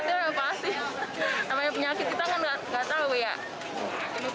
ini kan penyakitnya ini banget